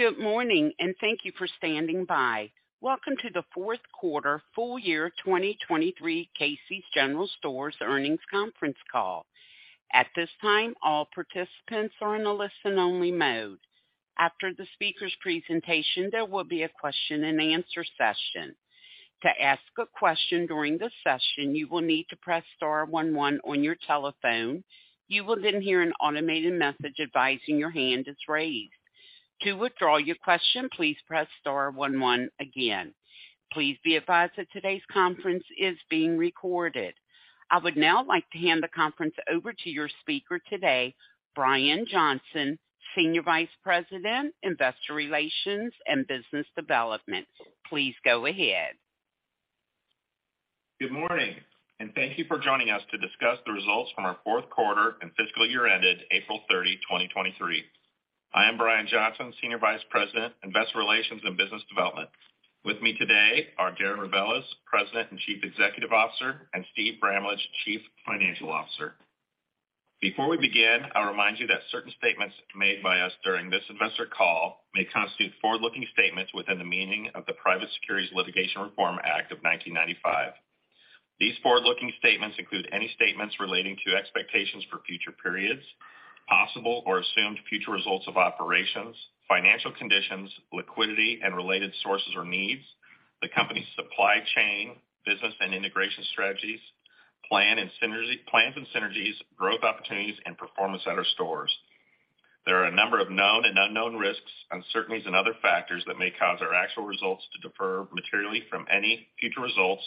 Good morning, and thank you for standing by. Welcome to the 4th quarter full-year 2023 Casey's General Stores earnings conference call. At this time, all participants are in a listen-only mode. After the speaker's presentation, there will be a question-and-answer session. To ask a question during the session, you will need to press star 11 on your telephone. You will then hear an automated message advising your hand is raised. To withdraw your question, please press star 11 again. Please be advised that today's conference is being recorded. I would now like to hand the conference over to your speaker today, Brian Johnson, Senior Vice President, Investor Relations, and Business Development. Please go ahead. Good morning, thank you for joining us to discuss the results from our fourth quarter and fiscal year ended April 30, 2023. I am Brian Johnson, Senior Vice President, Investor Relations and Business Development. With me today are Darren Rebelez, President and Chief Executive Officer, and Steve Bramlage, Chief Financial Officer. Before we begin, I'll remind you that certain statements made by us during this investor call may constitute forward-looking statements within the meaning of the Private Securities Litigation Reform Act of 1995. These forward-looking statements include any statements relating to expectations for future periods, possible or assumed future results of operations, financial conditions, liquidity, and related sources or needs, the company's supply chain, business and integration strategies, plans and synergies, growth opportunities, and performance at our stores. There are a number of known and unknown risks, uncertainties, and other factors that may cause our actual results to differ materially from any future results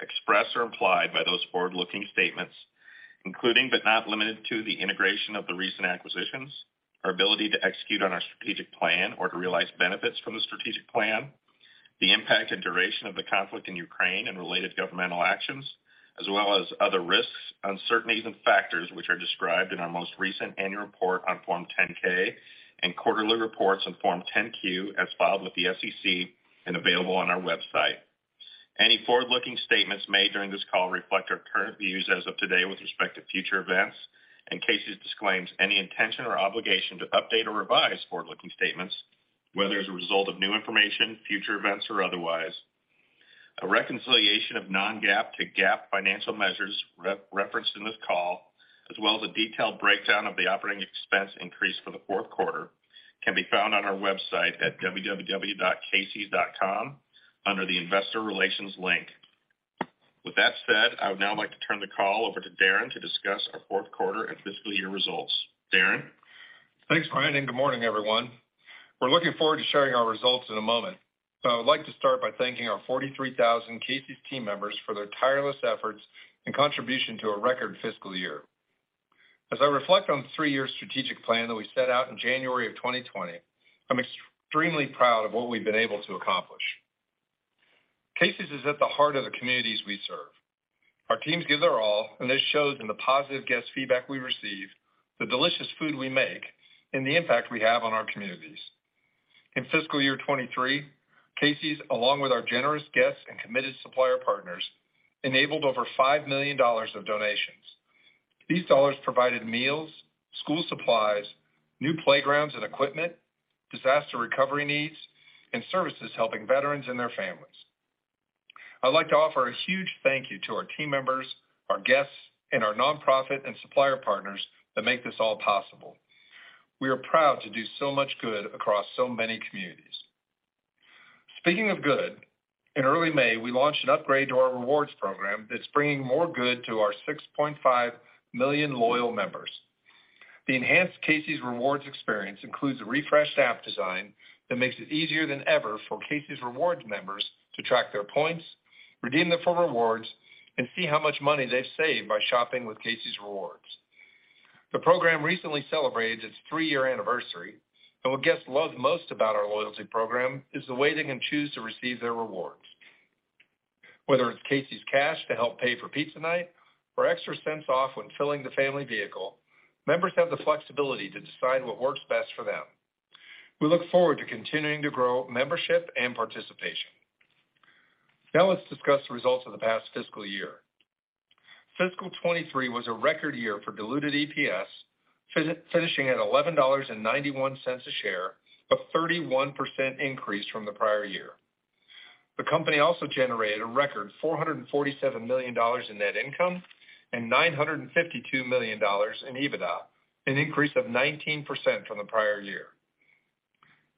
expressed or implied by those forward-looking statements, including but not limited to the integration of the recent acquisitions, our ability to execute on our strategic plan or to realize benefits from the strategic plan, the impact and duration of the conflict in Ukraine and related governmental actions, as well as other risks, uncertainties and factors which are described in our most recent annual report on Form 10-K and quarterly reports on Form 10-Q, as filed with the SEC and available on our website. Any forward-looking statements made during this call reflect our current views as of today with respect to future events. Casey's disclaims any intention or obligation to update or revise forward-looking statements, whether as a result of new information, future events, or otherwise. A reconciliation of non-GAAP to GAAP financial measures referenced in this call, as well as a detailed breakdown of the operating expense increase for the fourth quarter, can be found on our website at www.caseys.com under the Investor Relations link. With that said, I would now like to turn the call over to Darren to discuss our fourth quarter and fiscal year results. Darren? Thanks, Brian. Good morning, everyone. We're looking forward to sharing our results in a moment. I would like to start by thanking our 43,000 Casey's team members for their tireless efforts and contribution to a record fiscal year. As I reflect on the 3-year strategic plan that we set out in January of 2020, I'm extremely proud of what we've been able to accomplish. Casey's is at the heart of the communities we serve. Our teams give their all, and this shows in the positive guest feedback we receive, the delicious food we make, and the impact we have on our communities. In fiscal year 23, Casey's, along with our generous guests and committed supplier partners, enabled over $5 million of donations. These dollars provided meals, school supplies, new playgrounds and equipment, disaster recovery needs, and services helping veterans and their families. I'd like to offer a huge thank you to our team members, our guests, and our nonprofit and supplier partners that make this all possible. We are proud to do so much good across so many communities. Speaking of good, in early May, we launched an upgrade to our rewards program that's bringing more good to our 6.5 million loyal members. The enhanced Casey's Rewards experience includes a refreshed app design that makes it easier than ever for Casey's Rewards members to track their points, redeem them for rewards, and see how much money they've saved by shopping with Casey's Rewards. The program recently celebrated its 3-year anniversary. What guests love most about our loyalty program is the way they can choose to receive their rewards. Whether it's Casey's cash to help pay for pizza night or extra cents off when filling the family vehicle, members have the flexibility to decide what works best for them. We look forward to continuing to grow membership and participation. Let's discuss the results of the past fiscal year. Fiscal 2023 was a record year for diluted EPS, finishing at $11.91 a share, a 31% increase from the prior year. The company also generated a record $447 million in net income and $952 million in EBITDA, an increase of 19% from the prior year.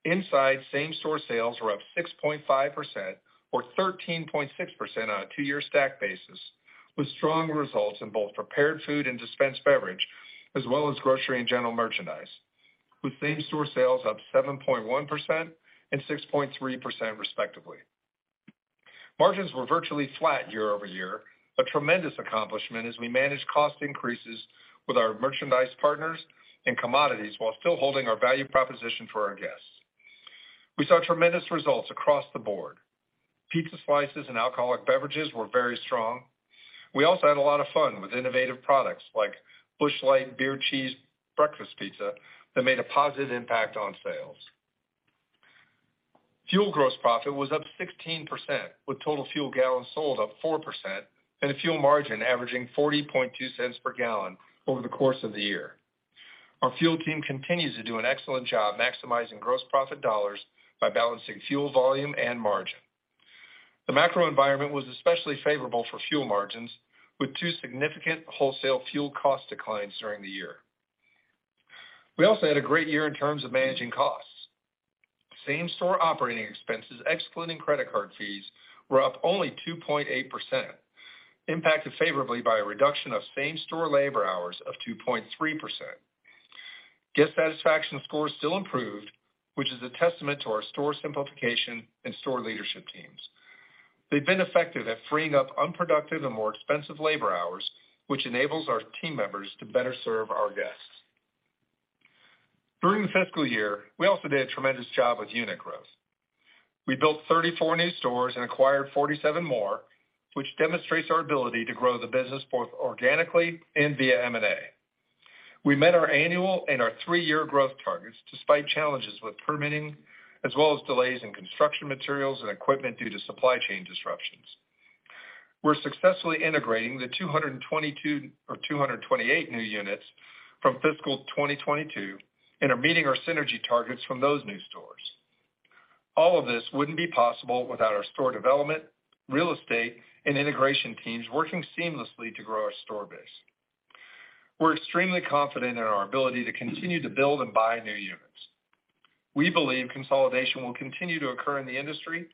Inside same-store sales were up 6.5% or 13.6% on a 2-year stack basis, with strong results in both prepared food and dispensed beverage, as well as grocery and general merchandise, with same-store sales up 7.1% and 6.3%, respectively. Margins were virtually flat year-over-year, a tremendous accomplishment as we managed cost increases with our merchandise partners and commodities while still holding our value proposition for our guests. We saw tremendous results across the board. Pizza slices and alcoholic beverages were very strong. We also had a lot of fun with innovative products like Busch Light Beer Cheese Breakfast Pizza, that made a positive impact on sales. Fuel gross profit was up 16%, with total fuel gallons sold up 4% and a fuel margin averaging $0.402 per gallon over the course of the year. Our fuel team continues to do an excellent job maximising gross profit dollars by balancing fuel volume and margin. The macro environment was especially favourable for fuel margins, with two significant wholesale fuel cost declines during the year. We also had a great year in terms of managing costs. Same-store operating expenses, excluding credit card fees, were up only 2.8%, impacted favourably by a reduction of same-store labour hours of 2.3%. Guest satisfaction scores still improved, which is a testament to our store simplification and store leadership teams. They've been effective at freeing up unproductive and more expensive labour hours, which enables our team members to better serve our guests. During the fiscal year, we also did a tremendous job with unit growth. We built 34 new stores and acquired 47 more, which demonstrates our ability to grow the business both organically and via M&A. We met our annual and our 3-year growth targets despite challenges with permitting, as well as delays in construction materials and equipment due to supply chain disruptions. We're successfully integrating the 222 or 228 new units from fiscal 2022 and are meeting our synergy targets from those new stores. All of this wouldn't be possible without our store development, real estate, and integration teams working seamlessly to grow our store base. We're extremely confident in our ability to continue to build and buy new units. We believe consolidation will continue to occur in the industry,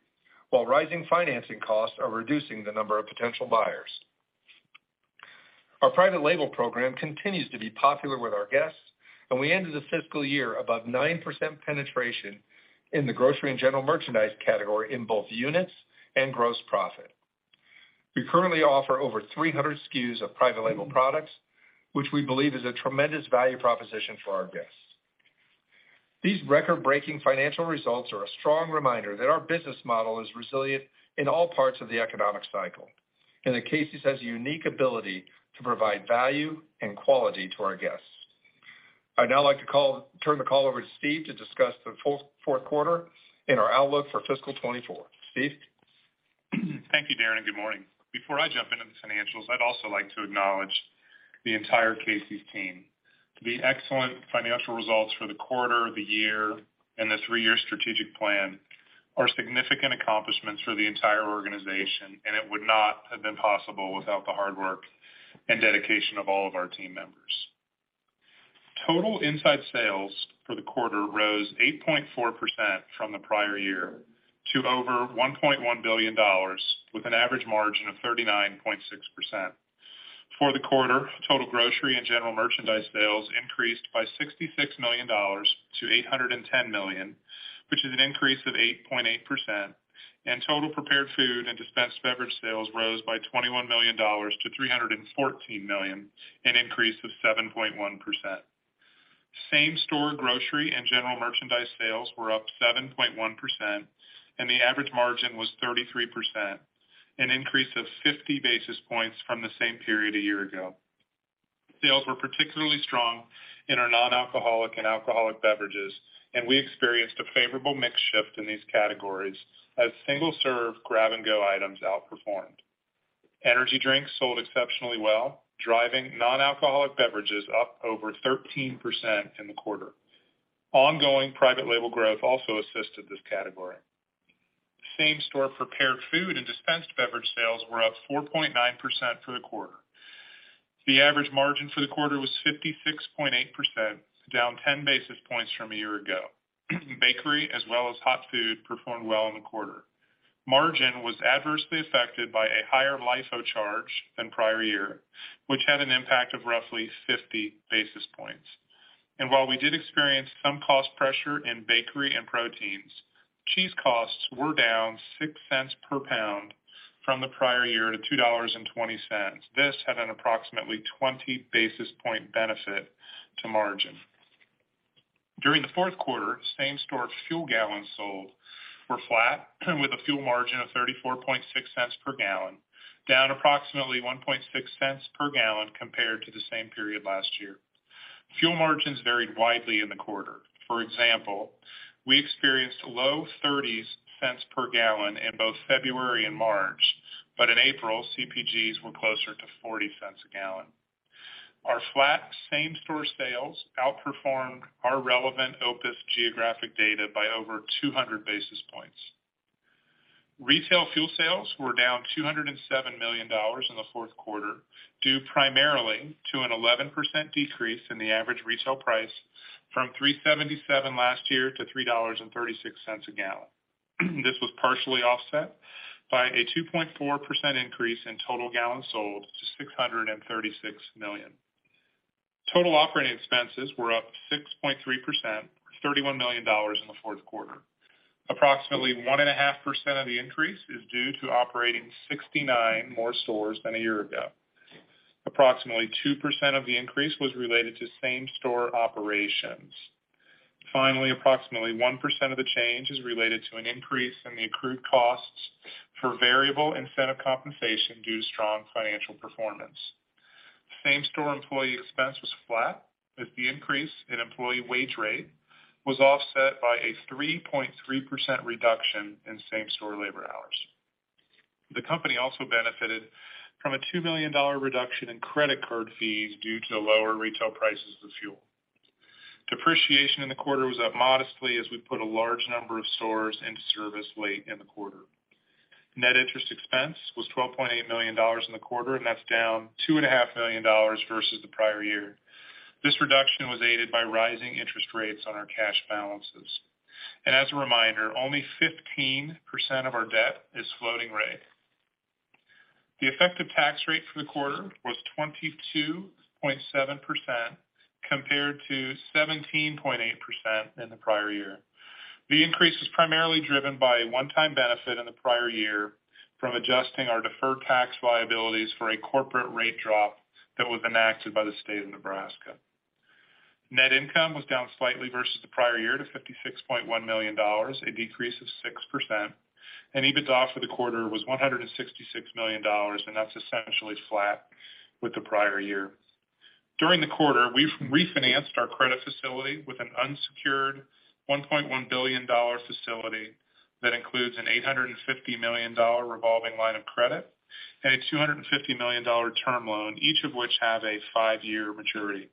while rising financing costs are reducing the number of potential buyers. Our private label program continues to be popular with our guests, and we ended the fiscal year above 9% penetration in the grocery and general merchandise category in both units and gross profit. We currently offer over 300 SKUs of private label products, which we believe is a tremendous value proposition for our guests. These record-breaking financial results are a strong reminder that our business model is resilient in all parts of the economic cycle and that Casey's has a unique ability to provide value and quality to our guests. I'd now like to turn the call over to Steve to discuss the full fourth quarter and our outlook for fiscal 2024. Steve? Thank you, Darren. Good morning. Before I jump into the financials, I'd also like to acknowledge the entire Casey's team. The excellent financial results for the quarter, the year, and the three-year strategic plan are significant accomplishments for the entire organisation. It would not have been possible without the hard work and dedication of all of our team members. Total inside sales for the quarter rose 8.4% from the prior year to over $1.1 billion, with an average margin of 39.6%. For the quarter, total grocery and general merchandise sales increased by $66 million to $810 million, which is an increase of 8.8%. Total prepared food and dispensed beverage sales rose by $21 million to $314 million, an increase of 7.1%. Same-store grocery and general merchandise sales were up 7.1%, and the average margin was 33%, an increase of 50 basis points from the same period a year ago. Sales were particularly strong in our non-alcoholic and alcoholic beverages, and we experienced a favourable mix shift in these categories as single-serve grab-and-go items outperformed. Energy drinks sold exceptionally well, driving non-alcoholic beverages up over 13% in the quarter. Ongoing private label growth also assisted this category. Same-store prepared food and dispensed beverage sales were up 4.9% for the quarter. The average margin for the quarter was 56.8%, down 10 basis points from a year ago. Bakery, as well as hot food, performed well in the quarter. Margin was adversely affected by a higher LIFO charge than prior year, which had an impact of roughly 50 basis points. While we did experience some cost pressure in bakery and proteins, cheese costs were down $0.06 per pound from the prior year to $2.20. This had an approximately 20 basis point benefit to margin. During the fourth quarter, same-store fuel gallons sold were flat, with a fuel margin of $0.346 per gallon, down approximately $0.016 per gallon compared to the same period last year. Fuel margins varied widely in the quarter. For example, we experienced low thirties cents per gallon in both February and March, but in April, CPGs were closer to $0.40 a gallon. Our flat same-store sales outperformed our relevant OPIS geographic data by over 200 basis points. Retail fuel sales were down $207 million in the fourth quarter, due primarily to an 11% decrease in the average retail price from $3.77 last year to $3.36 a gallon. This was partially offset by a 2.4% increase in total gallons sold to 636 million. Total operating expenses were up 6.3%, or $31 million in the fourth quarter. Approximately 1.5% of the increase is due to operating 69 more stores than a year ago. Approximately 2% of the increase was related to same-store operations. Approximately 1% of the change is related to an increase in the accrued costs for variable incentive compensation due to strong financial performance. Same-store employee expense was flat, as the increase in employee wage rate was offset by a 3.3% reduction in same-store labour hours. The company also benefited from a $2 million reduction in credit card fees due to lower retail prices of fuel. Depreciation in the quarter was up modestly as we put a large number of stores into service late in the quarter. Net interest expense was $12.8 million in the quarter, that's down two and a half million dollars versus the prior year. This reduction was aided by rising interest rates on our cash balances. As a reminder, only 15% of our debt is floating rate. The effective tax rate for the quarter was 22.7%, compared to 17.8% in the prior year. The increase is primarily driven by a one-time benefit in the prior year from adjusting our deferred tax liabilities for a corporate rate drop that was enacted by the state of Nebraska. Net income was down slightly versus the prior year to $56.1 million, a decrease of 6%. EBITDA for the quarter was $166 million, and that's essentially flat with the prior year. During the quarter, we've refinanced our credit facility with an unsecured $1.1 billion facility that includes an $850 million revolving line of credit and a $250 million term loan, each of which have a five-year maturity.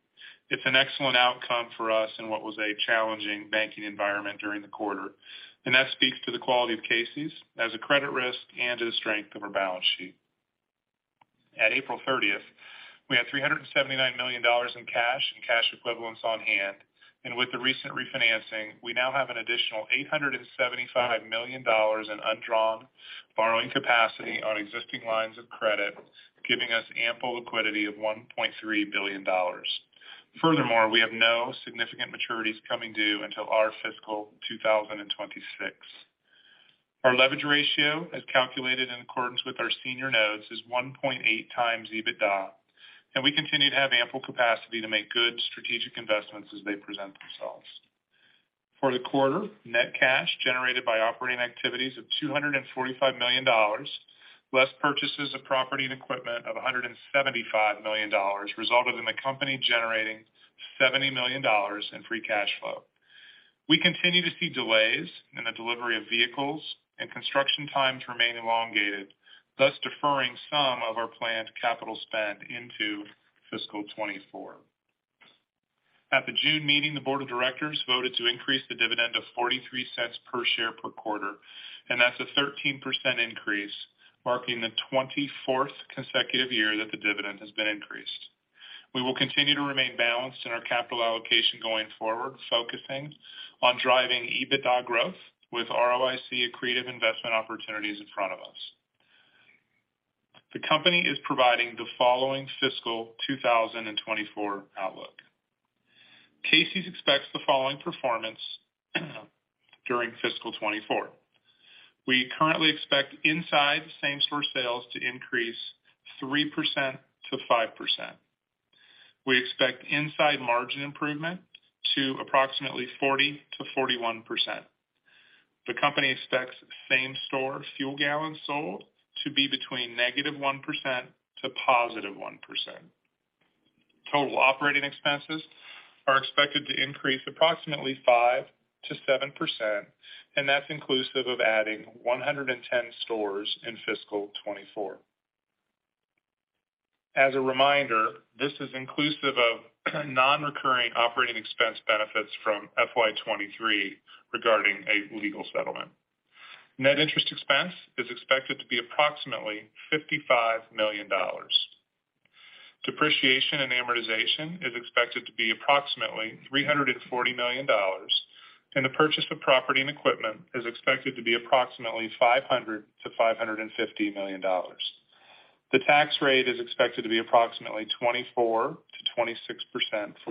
It's an excellent outcome for us in what was a challenging banking environment during the quarter, and that speaks to the quality of Casey's as a credit risk and to the strength of our balance sheet. At April 30th, we had $379 million in cash and cash equivalents on hand, and with the recent refinancing, we now have an additional $875 million in undrawn borrowing capacity on existing lines of credit, giving us ample liquidity of $1.3 billion. Furthermore, we have no significant maturities coming due until our fiscal 2026. Our leverage ratio, as calculated in accordance with our senior notes, is 1.8x EBITDA, and we continue to have ample capacity to make good strategic investments as they present themselves. For the quarter, net cash generated by operating activities of $245 million, less purchases of property and equipment of $175 million, resulted in the company generating $70 million in free cash flow. We continue to see delays in the delivery of vehicles, and construction times remain elongated, thus deferring some of our planned capital spend into fiscal 2024. At the June meeting, the board of directors voted to increase the dividend to $0.43 per share per quarter, and that's a 13% increase, marking the 24th consecutive year that the dividend has been increased. We will continue to remain balanced in our capital allocation going forward, focusing on driving EBITDA growth with ROIC accretive investment opportunities in front of us. The company is providing the following fiscal 2024 outlook. Casey's expects the following performance during fiscal 2024. We currently expect inside same-store sales to increase 3%-5%. We expect inside margin improvement to approximately 40%-41%. The company expects same-store fuel gallons sold to be between negative 1% to positive 1%. Total operating expenses are expected to increase approximately 5%-7%, and that's inclusive of adding 110 stores in fiscal 2024. As a reminder, this is inclusive of non-recurring operating expense benefits from FY 2023 regarding a legal settlement. Net interest expense is expected to be approximately $55 million. Depreciation and amortization is expected to be approximately $340 million, and the purchase of property and equipment is expected to be approximately $500 million-$550 million. The tax rate is expected to be approximately 24%-26% for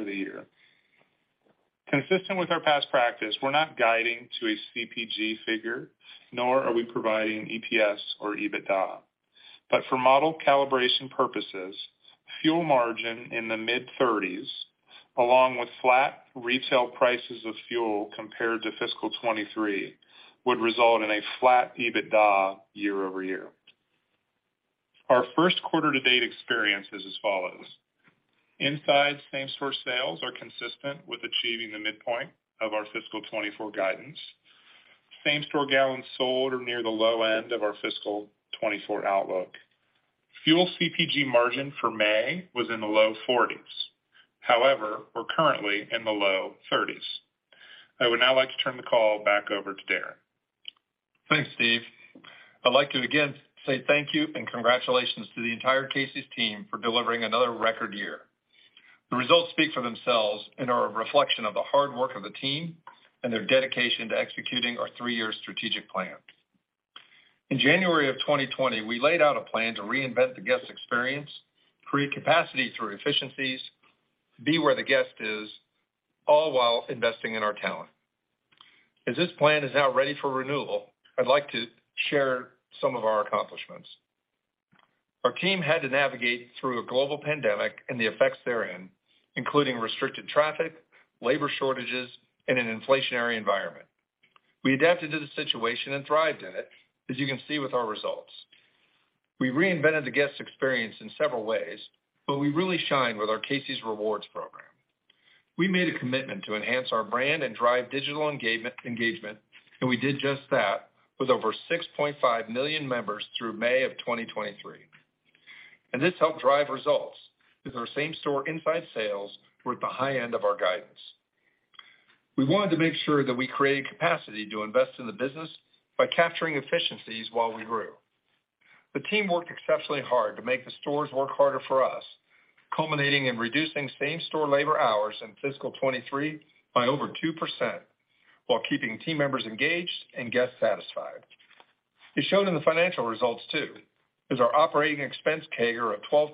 the year. Consistent with our past practice, we're not guiding to a CPG figure, nor are we providing EPS or EBITDA. For model calibration purposes, fuel margin in the mid-30s, along with flat retail prices of fuel compared to fiscal 2023, would result in a flat EBITDA year-over-year. Our first quarter to date experience is as follows: Inside same-store sales are consistent with achieving the midpoint of our fiscal 2024 guidance. Same-store gallons sold are near the low end of our fiscal 2024 outlook. Fuel CPG margin for May was in the low 40s. However, we're currently in the low 30s. I would now like to turn the call back over to Darren. Thanks, Steve. I'd like to again say thank you and congratulations to the entire Casey's team for delivering another record year. The results speak for themselves and are a reflection of the hard work of the team and their dedication to executing our three-year strategic plan. In January of 2020, we laid out a plan to reinvent the guest experience, create capacity through efficiencies, be where the guest is, all while investing in our talent. This plan is now ready for renewal. I'd like to share some of our accomplishments. Our team had to navigate through a global pandemic and the effects therein, including restricted traffic, labour shortages, and an inflationary environment. We adapted to the situation and thrived in it, as you can see with our results. We reinvented the guest experience in several ways, we really shined with our Casey's Rewards program. We made a commitment to enhance our brand and drive digital engagement; we did just that with over $6.5 million members through May 2023. This helped drive results, with our same-store inside sales were at the high end of our guidance. We wanted to make sure that we created capacity to invest in the business by capturing efficiencies while we grew. The team worked exceptionally hard to make the stores work harder for us, culminating in reducing same-store labour hours in fiscal 2023 by over 2%, while keeping team members engaged and guests satisfied. It showed in the financial results, too, as our operating expense CAGR of 12%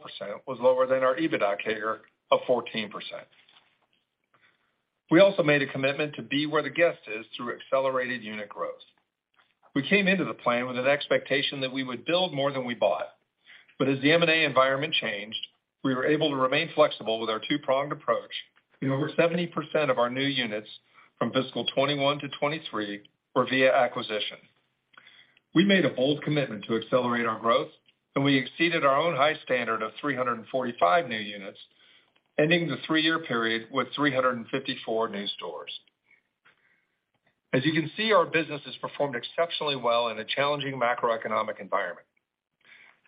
was lower than our EBITDA CAGR of 14%. We also made a commitment to be where the guest is through accelerated unit growth. We came into the plan with an expectation that we would build more than we bought. As the M&A environment changed, we were able to remain flexible with our two-pronged approach, and over 70% of our new units from fiscal 21 to 23 were via acquisition. We made a bold commitment to accelerate our growth, we exceeded our own high standard of 345 new units, ending the three-year period with 354 new stores. As you can see, our business has performed exceptionally well in a challenging macroeconomic environment.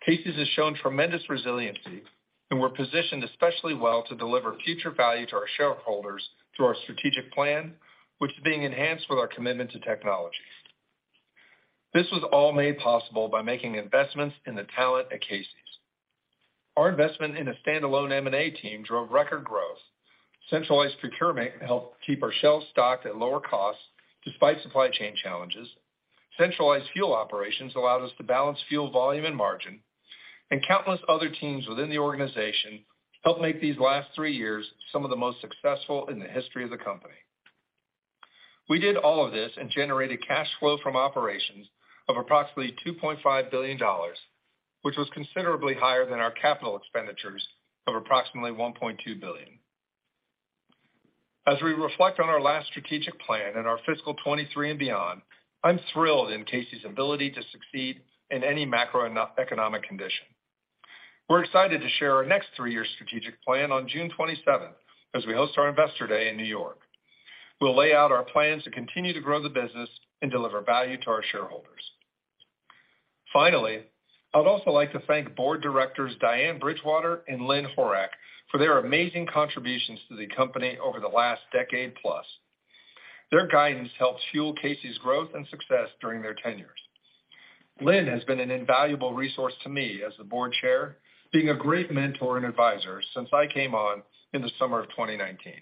Casey's has shown tremendous resiliency, we're positioned especially well to deliver future value to our shareholders through our strategic plan, which is being enhanced with our commitment to technology. This was all made possible by making investments in the talent at Casey's. Our investment in a standalone M&A team drove record growth. Centralised procurement helped keep our shelves stocked at lower costs, despite supply chain challenges. Centralised fuel operations allowed us to balance fuel volume and margin; countless other teams within the organisation helped make these last three years some of the most successful in the history of the company. We did all of this and generated cash flow from operations of approximately $2.5 billion, which was considerably higher than our capital expenditures of approximately $1.2 billion. As we reflect on our last strategic plan and our fiscal 23 and beyond, I'm thrilled in Casey's ability to succeed in any macroeconomic condition. We're excited to share our next three-year strategic plan on June 27th, as we host our Investor Day in New York. We'll lay out our plans to continue to grow the business and deliver value to our shareholders. I'd also like to thank board directors Diane Bridgewater and Lynn Horak for their amazing contributions to the company over the last decade plus. Their guidance helped fuel Casey's growth and success during their tenures. Lynn has been an invaluable resource to me as the board chair, being a great mentor and advisor since I came on in the summer of 2019.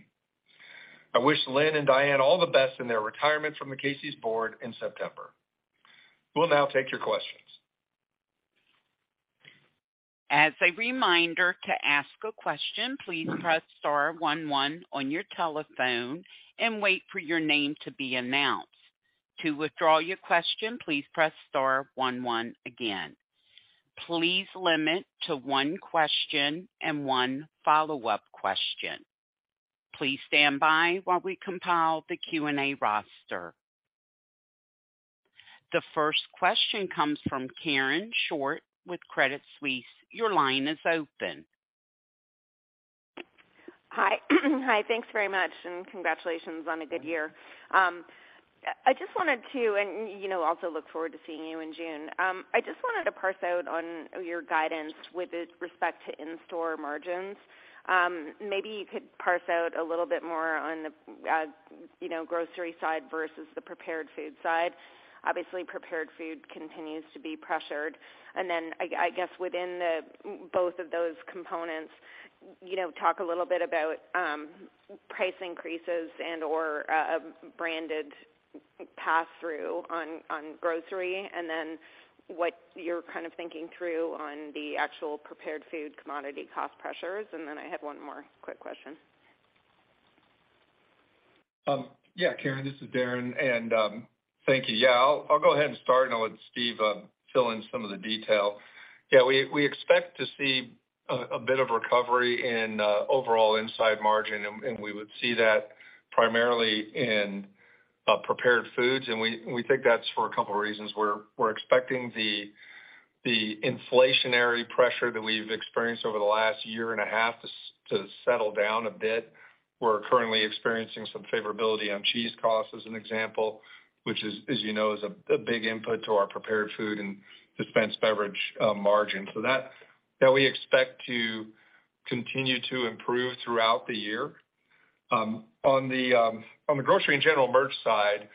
I wish Lynn and Diane all the best in their retirement from the Casey's board in September. We'll now take your questions. As a reminder, to ask a question, please press star one one on your telephone and wait for your name to be announced. To withdraw your question, please press star one one again. Please limit to one question and one follow-up question. Please stand by while we compile the Q&A roster. The first question comes from Karen Short with Credit Suisse. Your line is open. Hi. Hi, thanks very much, and congratulations on a good year. I just wanted to, and, you know, also look forward to seeing you in June. I just wanted to parse out on your guidance with respect to in-store margins. Maybe you could parse out a little bit more on the, you know, grocery side versus the prepared food side. Obviously, prepared food continues to be pressured. Then I guess within the both of those components, you know, talk a little bit about price increases and/or branded pass-through on grocery, and then what you're kind of thinking through on the actual prepared food commodity cost pressures. Then I have one more quick question. Yeah, Karen, this is Darren, and thank you. Yeah, I'll go ahead and start, and I'll let Steve fill in some of the detail. Yeah, we expect to see a bit of recovery in overall inside margin, and we would see that primarily in prepared foods, and we think that's for a couple reasons. We're expecting the inflationary pressure that we've experienced over the last year and a half to settle down a bit. We're currently experiencing some favorability on cheese costs, as an example, which is, as you know, is a big input to our prepared food and dispense beverage margin. That we expect to continue to improve throughout the year. On the grocery and general merch side,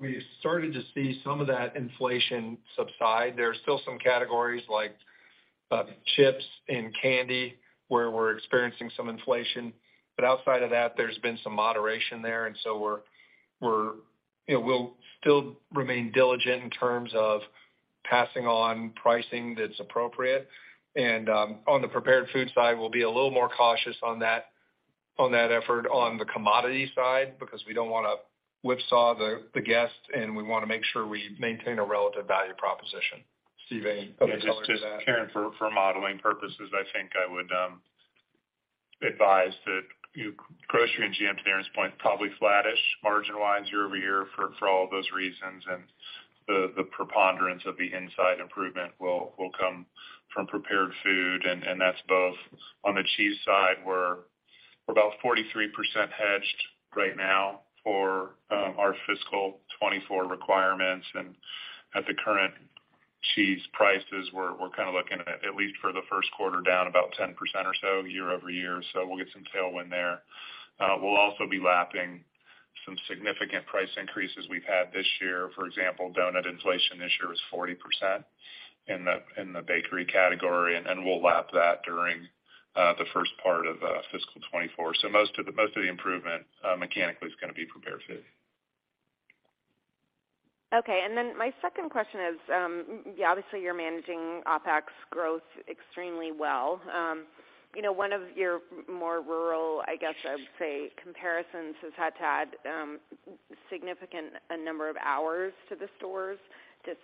we started to see some of that inflation subside. There are still some categories, like chips and candy, where we're experiencing some inflation. Outside of that, there's been some moderation there. You know, we'll still remain diligent in terms of passing on pricing that's appropriate. On the prepared food side, we'll be a little more cautious on that, on that effort on the commodity side, because we don't want to whipsaw the guest, and we want to make sure we maintain a relative value proposition. Steve, any other details to that? Just, Karen, for modelling purposes, I think I would.... advise that, grocery and GM, to Darren's point, probably flattish margin-wise year-over-year for all those reasons, and the preponderance of the inside improvement will come from prepared food, and that's both on the cheese side, where we're about 43% hedged right now for our fiscal 2024 requirements. At the current cheese prices, we're kind of looking at least for the first quarter, down about 10% or so year-over-year, so we'll get some tailwind there. We'll also be lapping some significant price increases we've had this year. For example, doughnut inflation this year is 40% in the bakery category, and then we'll lap that during the first part of fiscal 2024. Most of the improvement, mechanically, is gonna be prepared food. My second question is, obviously, you're managing OpEx growth extremely well. You know, one of your more rural, I guess I would say, comparisons has had to add, significant, a number of hours to the stores, just,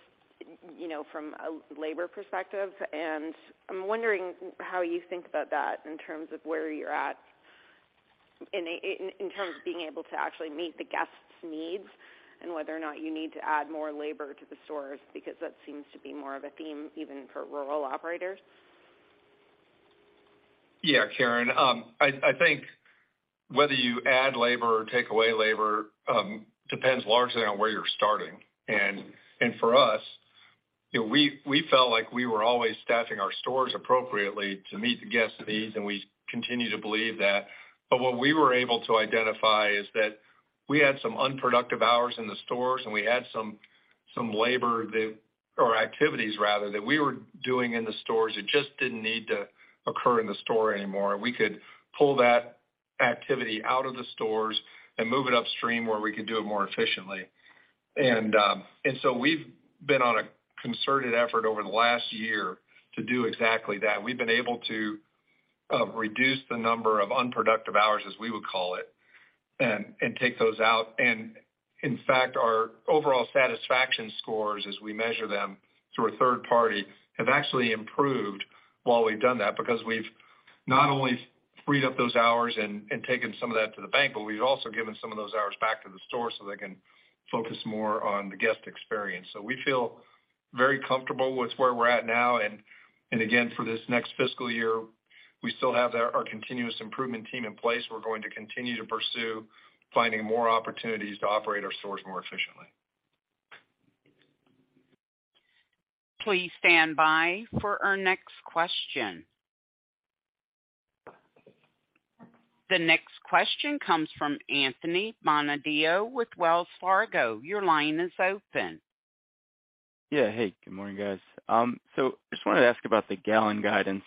you know, from a labour perspective. I'm wondering how you think about that in terms of where you're at in terms of being able to actually meet the guests' needs and whether or not you need to add more labour to the stores, because that seems to be more of a theme even for rural operators. Yeah, Karen, I think whether you add labour or take away labour depends largely on where you're starting. For us, you know, we felt like we were always staffing our stores appropriately to meet the guests' needs, and we continue to believe that. What we were able to identify is that we had some unproductive hours in the stores, and we had some laboursame-store that, or activities rather, that we were doing in the stores that just didn't need to occur in the store anymore. We could pull that activity out of the stores and move it upstream, where we could do it more efficiently. We've been on a concerted effort over the last year to do exactly that. We've been able to reduce the number of unproductive hours, as we would call it, and take those out. In fact, our overall satisfaction scores, as we measure them through a third party, have actually improved while we've done that. We've not only freed up those hours and taken some of that to the bank, but we've also given some of those hours back to the store so they can focus more on the guest experience. We feel very comfortable with where we're at now. Again, for this next fiscal year, we still have our continuous improvement team in place. We're going to continue to pursue finding more opportunities to operate our stores more efficiently. Please stand by for our next question. The next question comes from Anthony Bonadio with Wells Fargo. Your line is open. Yeah. Hey, good morning, guys. Just wanted to ask about the gallon guidance.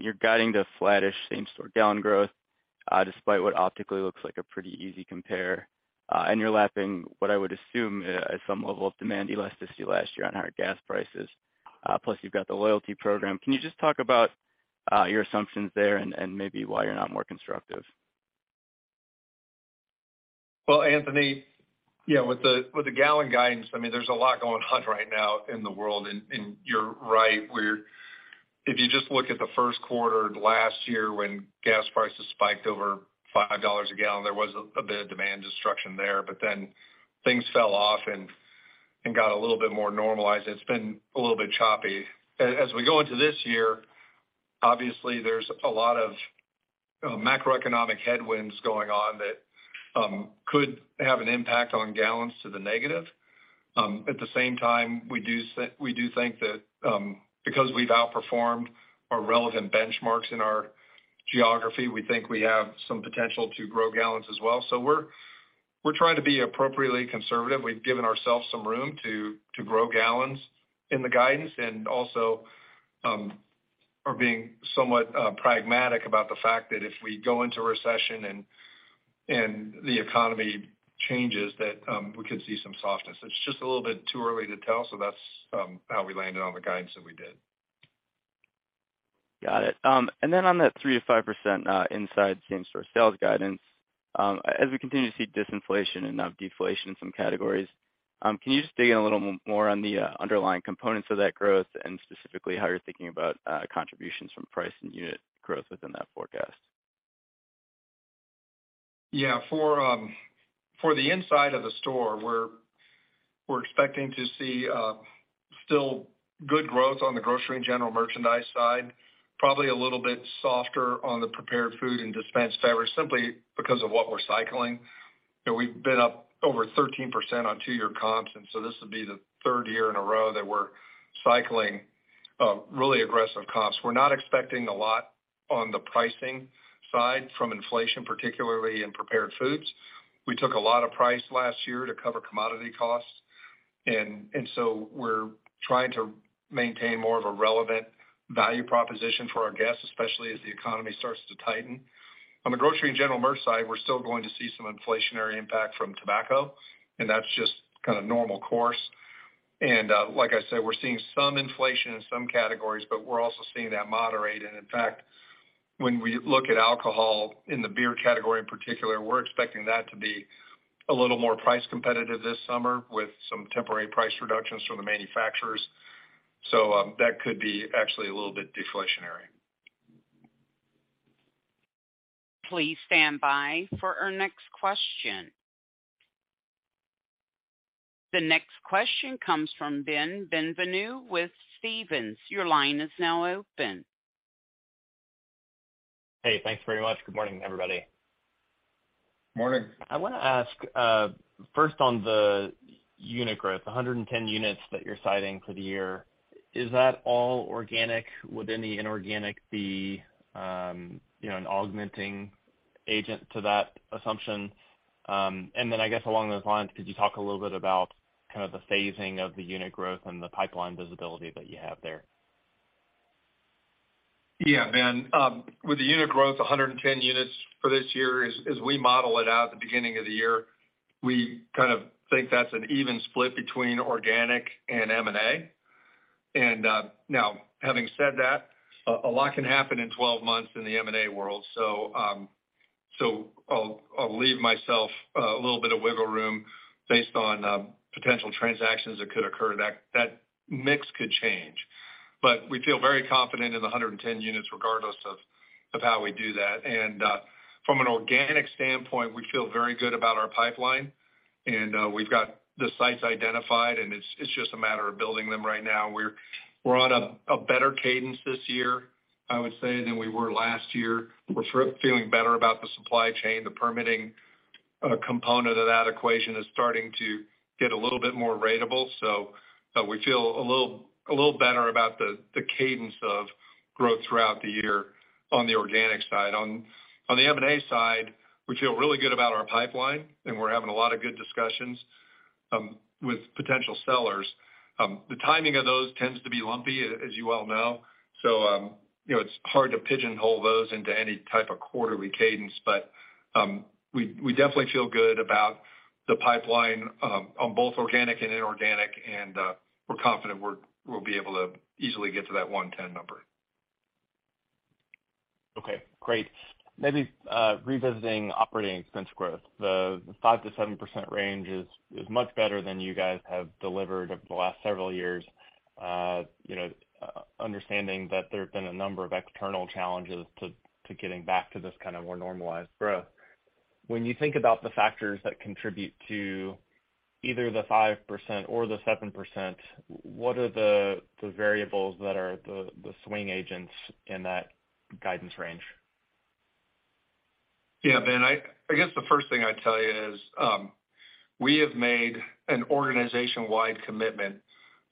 You're guiding to flattish same-store gallon growth despite what optically looks like a pretty easy compare. You're lapping what I would assume at some level of demand elasticity last year on higher gas prices, plus you've got the loyalty program. Can you just talk about your assumptions there and maybe why you're not more constructive? Well, Anthony, yeah, with the gallon guidance, I mean, there's a lot going on right now in the world. You're right, if you just look at the first quarter last year, when gas prices spiked over $5 a gallon, there was a bit of demand destruction there, but then things fell off and got a little bit more normalised. It's been a little bit choppy. As we go into this year, obviously, there's a lot of macroeconomic headwinds going on that could have an impact on gallons to the negative. At the same time, we do think that because we've outperformed our relevant benchmarks in our geography, we think we have some potential to grow gallons as well. We're trying to be appropriately conservative. We've given ourselves some room to grow gallons in the guidance and also are being somewhat pragmatic about the fact that if we go into a recession and the economy changes, that we could see some softness. It's just a little bit too early to tell. That's how we landed on the guidance that we did. Got it. On that 3%-5% inside same-store sales guidance, as we continue to see disinflation and now deflation in some categories, can you just dig in a little more on the underlying components of that growth? Specifically, how you're thinking about contributions from price and unit growth within that forecast? Yeah. For the inside of the store, we're expecting to see still good growth on the grocery and general merchandise side. Probably a little bit softer on the prepared food and dispense beverage simply because of what we're cycling. You know, we've been up over 13% on 2-year comps, and so this will be the 3rd year in a row that we're cycling really aggressive comps. We're not expecting a lot on the pricing side from inflation, particularly in prepared foods. We took a lot of price last year to cover commodity costs, and so we're trying to maintain more of a relevant value proposition for our guests, especially as the economy starts to tighten. On the grocery and general merch side, we're still going to see some inflationary impact from tobacco, and that's just kind of normal course. Like I said, we're seeing some inflation in some categories, but we're also seeing that moderate. In fact, when we look at alcohol, in the beer category in particular, we're expecting that to be a little more price competitive this summer with some temporary price reductions from the manufacturers. That could be actually a little bit deflationary. Please stand by for our next question. The next question comes from Ben Bienvenu with Stephens. Your line is now open. Hey, thanks very much. Good morning, everybody. Morning. I wanna ask, first on the unit growth, 110 units that you're citing for the year, is that all organic? Would any inorganic be, you know, an augmenting agent to that assumption? I guess along those lines, could you talk a little bit about kind of the phasing of the unit growth and the pipeline visibility that you have there? Ben, with the unit growth, 110 units for this year, as we model it out at the beginning of the year, we kind of think that's an even split between organic and M&A. Now, having said that, a lot can happen in 12 months in the M&A world. I'll leave myself a little bit of wiggle room based on potential transactions that could occur; that mix could change. We feel very confident in the 110 units, regardless of how we do that. From an organic standpoint, we feel very good about our pipeline, and we've got the sites identified, and it's just a matter of building them right now. We're on a better cadence this year, I would say, than we were last year. We're feeling better about the supply chain. The permitting component of that equation is starting to get a little bit more ratable. We feel a little better about the cadence of growth throughout the year on the organic side. On the M&A side, we feel really good about our pipeline, and we're having a lot of good discussions with potential sellers. The timing of those tends to be lumpy, as you well know. You know, it's hard to pigeonhole those into any type of quarterly cadence, but we definitely feel good about the pipeline on both organic and inorganic, and we're confident we'll be able to easily get to that 110 number. Okay, great. Maybe, revisiting operating expense growth. The 5%-7% range is much better than you guys have delivered over the last several years. You know, understanding that there have been a number of external challenges to getting back to this kind of more normalised growth. When you think about the factors that contribute to either the 5% or the 7%, what are the variables that are the swing agents in that guidance range? Yeah, Ben, I guess the first thing I'd tell you is, we have made an organisation-wide commitment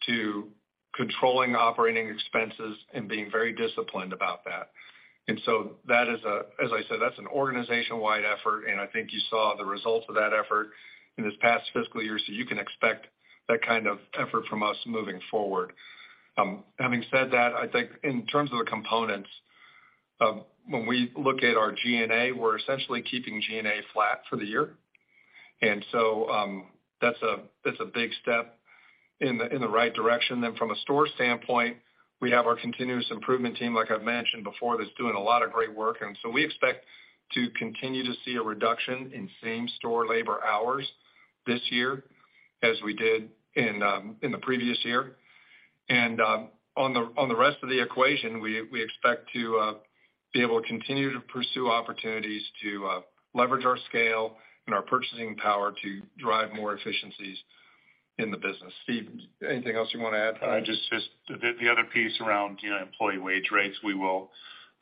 to controlling operating expenses and being very disciplined about that. As I said, that's an organisation-wide effort, and I think you saw the results of that effort in this past fiscal year, so you can expect that kind of effort from us moving forward. Having said that, I think in terms of the components, when we look at our G&A, we're essentially keeping G&A flat for the year. That's a big step in the right direction. From a store standpoint, we have our continuous improvement team, like I've mentioned before, that's doing a lot of great work. We expect to continue to see a reduction in same-store labour hours this year as we did in the previous year. On the rest of the equation, we expect to be able to continue to pursue opportunities to leverage our scale and our purchasing power to drive more efficiencies in the business. Steve, anything else you want to add? The other piece around, you know, employee wage rates, we will,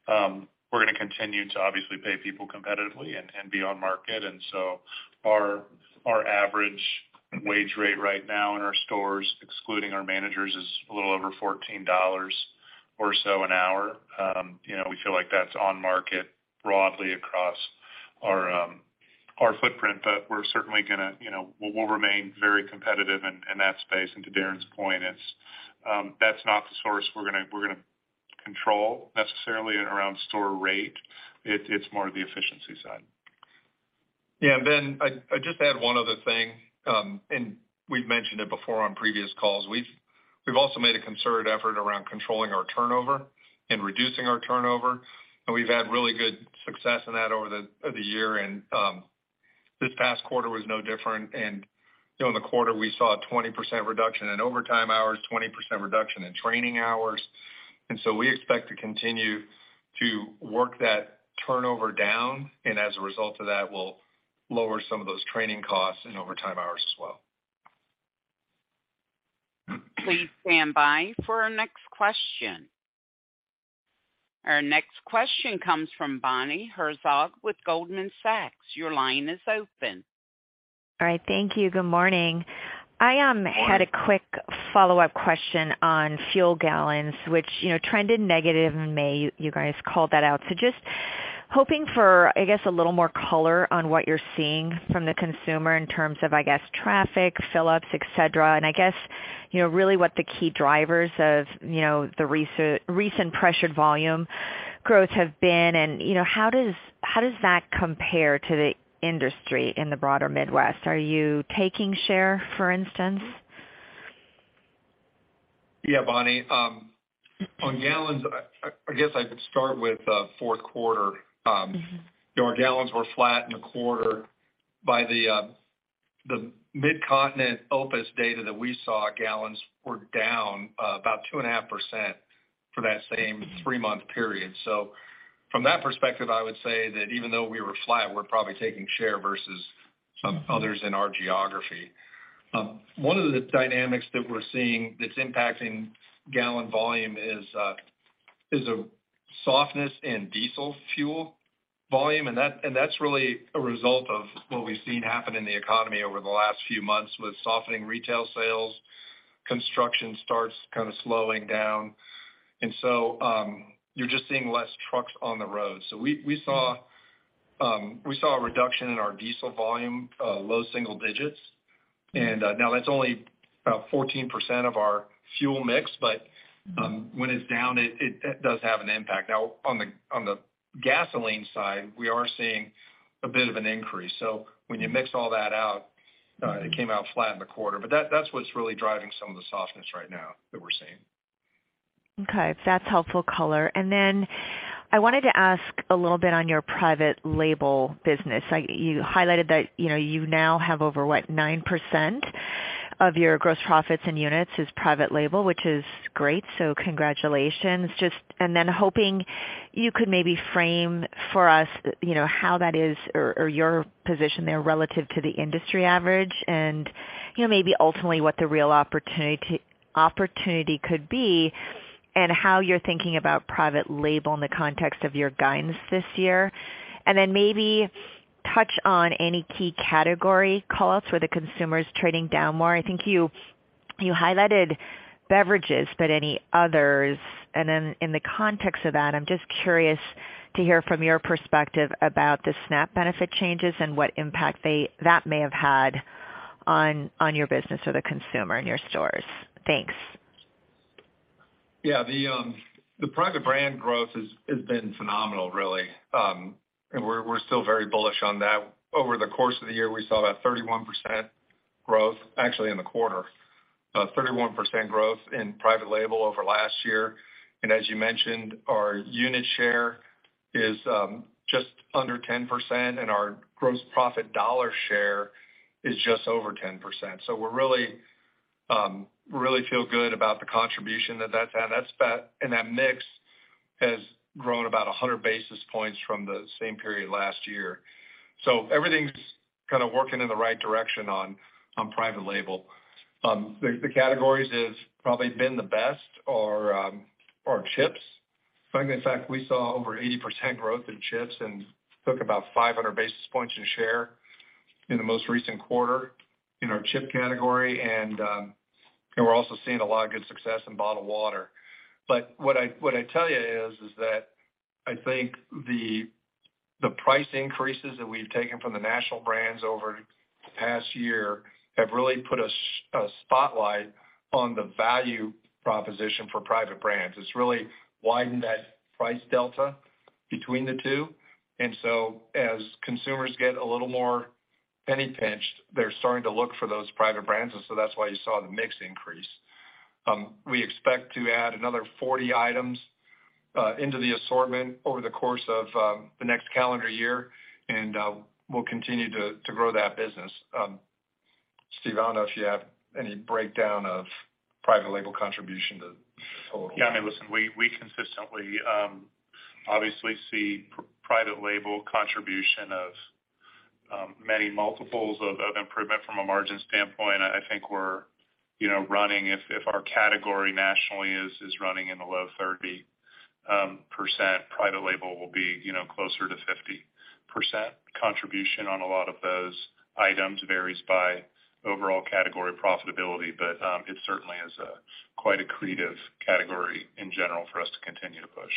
we're gonna continue to obviously pay people competitively and be on market. Our average wage rate right now in our stores, excluding our managers, is a little over $14 or so an hour. You know, we feel like that's on market broadly across our footprint, but we're certainly gonna, you know, we'll remain very competitive in that space. To Darren's point, it's, that's not the source we're gonna, we're gonna control necessarily around store rate. It's more the efficiency side. Yeah, Ben, I'd just add one other thing. We've mentioned it before on previous calls. We've also made a concerted effort around controlling our turnover and reducing our turnover, and we've had really good success in that over the year. This past quarter was no different. You know, in the quarter, we saw a 20% reduction in overtime hours, 20% reduction in training hours. We expect to continue to work that turnover down, and as a result of that, we'll lower some of those training costs and overtime hours as well. Please stand by for our next question. Our next question comes from Bonnie Herzog with Goldman Sachs. Your line is open. All right, thank you. Good morning. Morning. I had a quick follow-up question on fuel gallons, which, you know, trended negative in May. You guys called that out. Just hoping for, I guess, a little more colour on what you're seeing from the consumer in terms of, I guess, traffic, fill-ups, et cetera. I guess, you know, really what the key drivers of, you know, the recent pressured volume growth have been, and, you know, how does that compare to the industry in the broader Midwest? Are you taking share, for instance? Yeah, Bonnie, on gallons, I guess I would start with fourth quarter. Mm-hmm. You know, our gallons were flat in the quarter by the Mid-Continent OPIS data that we saw; gallons were down about 2.5% for that same three-month period. From that perspective, I would say that even though we were flat, we're probably taking share versus some others in our geography. One of the dynamics that we're seeing that's impacting gallon volume is a softness in diesel fuel volume, and that's really a result of what we've seen happen in the economy over the last few months, with softening retail sales, construction starts kind of slowing down. You're just seeing less trucks on the road. We saw a reduction in our diesel volume, low single digits. Now that's only about 14% of our fuel mix, but when it's down, it does have an impact. On the gasoline side, we are seeing a bit of an increase. When you mix all that out, it came out flat in the quarter. That's what's really driving some of the softness right now that we're seeing. Okay, that's helpful colour. I wanted to ask a little bit on your private label business. Like, you highlighted that, you know, you now have over, what? 9% of your gross profits and units is private label, which is great, so congratulations. Hoping you could maybe frame for us, you know, how that is or your position there relative to the industry average, and, you know, maybe ultimately what the real opportunity could be, and how you're thinking about private label in the context of your guidance this year. Maybe touch on any key category calls where the consumer is trading down more. I think you highlighted beverages, but any others? In the context of that, I'm just curious to hear from your perspective about the SNAP benefit changes and what impact that may have had on your business or the consumer in your stores. Thanks. The private brand growth has been phenomenal, really. We're still very bullish on that. Over the course of the year, we saw about 31% growth, actually, in the quarter, 31% growth in private label over last year. As you mentioned, our unit share is just under 10%, our gross profit dollar share is just over 10%. We're really feel good about the contribution that that's had. That mix has grown about 100 basis points from the same period last year. Everything's kind of working in the right direction on private label. The categories is probably been the best are chips. Funny, in fact, we saw over 80% growth in chips and took about 500 basis points in share in the most recent quarter in our chip category, and we're also seeing a lot of good success in bottled water. What I tell you is that I think the price increases that we've taken from the national brands over the past year have really put a spotlight on the value proposition for private brands. It's really widened that price delta between the two. As consumers get a little more penny-pinched, they're starting to look for those private brands, and so that's why you saw the mix increase. We expect to add another 40 items into the assortment over the course of the next calendar year, and we'll continue to grow that business. Steve, I don't know if you have any breakdown of private label contribution to total. Yeah, I mean, listen, we consistently obviously see private label contribution of many multiples of improvement from a margin standpoint. I think we're, you know, if our category nationally is running in the low 30%, private label will be, you know, closer to 50%. Contribution on a lot of those items varies by overall category profitability, but it certainly is a quite accretive category in general for us to continue to push.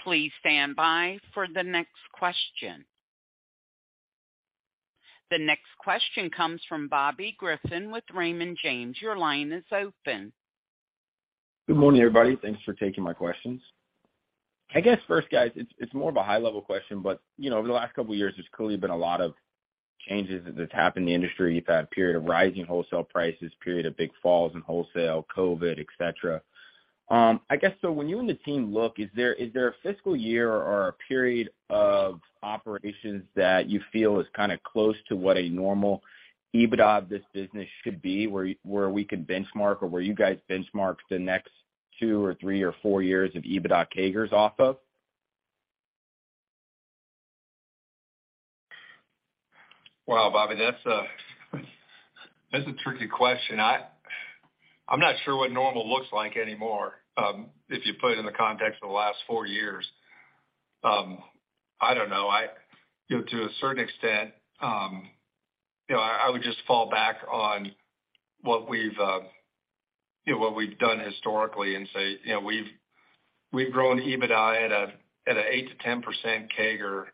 Please stand by for the next question. The next question comes from Bobby Griffin with Raymond James. Your line is open. Good morning, everybody. Thanks for taking my questions. I guess first, guys, it's more of a high-level question, you know, over the last couple of years, there's clearly been a lot of changes that's happened in the industry. You've had a period of rising wholesale prices, period of big falls in wholesale, COVID, et cetera. I guess, when you and the team look, is there a fiscal year or a period of operations that you feel is kind of close to what a normal EBITDA of this business should be, where you, where we could benchmark or where you guys benchmark the next two or three or four years of EBITDA CAGRs off of? Wow, Bobby, that's a tricky question. I'm not sure what normal looks like anymore, if you put it in the context of the last four years. I don't know. You know, to a certain extent, you know, I would just fall back on what we've, you know, what we've done historically and say, you know, we've grown EBITDA at an 8%-10%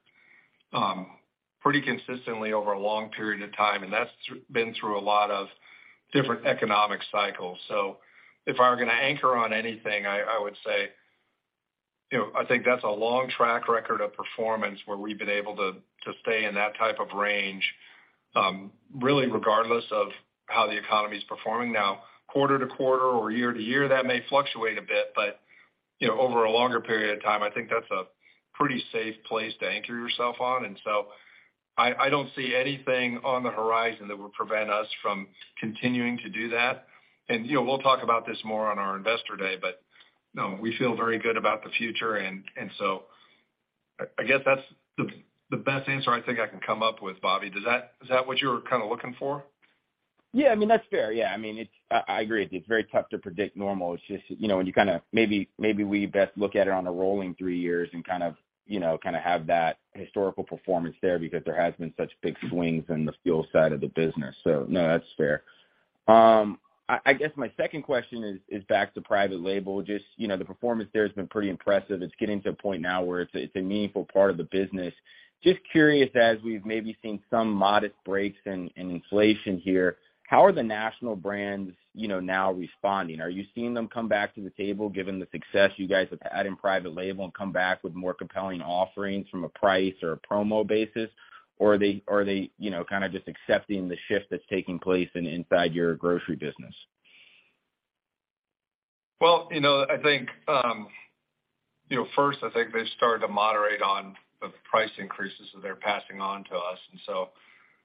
CAGR, pretty consistently over a long period of time, and that's been through a lot of different economic cycles. If I were going to anchor on anything, I would say, you know, I think that's a long track record of performance where we've been able to stay in that type of range, really, regardless of how the economy is performing. Now, quarter to quarter or year to year, that may fluctuate a bit, but, you know, over a longer period of time, I think that's a pretty safe place to anchor yourself on. I don't see anything on the horizon that would prevent us from continuing to do that. You know, we'll talk about this more on our Investor Day, but no, we feel very good about the future, and so I guess that's the best answer I think I can come up with, Bobby? Is that what you were kind of looking for? Yeah, I mean, that's fair. Yeah. I mean, I agree. It's very tough to predict normal. It's just, you know, when you kind of maybe we best look at it on a rolling three years and you know, have that historical performance there, because there has been such big swings in the fuel side of the business. No, that's fair. I guess my second question is back to private label. Just, you know, the performance there has been pretty impressive. It's getting to a point now where it's a meaningful part of the business. Just curious, as we've maybe seen some modest breaks in inflation here, how are the national brands, you know, now responding? Are you seeing them come back to the table, given the success you guys have had in private label, and come back with more compelling offerings from a price or a promo basis? Or are they, you know, kind of just accepting the shift that's taking place inside your grocery business? Well, you know, I think, you know, first, I think they've started to moderate on the price increases that they're passing on to us.